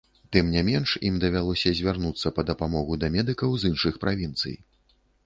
Тым не менш, ім давялося звярнуцца па дапамогу да медыкаў з іншых правінцый.